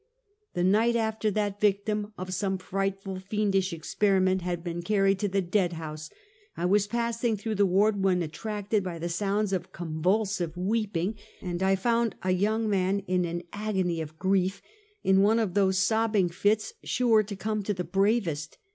The night after that victim of some frightful, fiend ish experiment had been carried to the dead house, I was passing through the ward, when attracted by sounds of convulsive weeping, and I found a young man in an agony of grief, in one of those sobbing fits sure to come to the bravest.